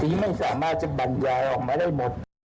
ไม่สามารถจะบรรยายออกมาได้หมด